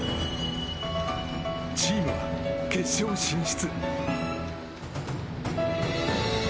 チームは決勝進出。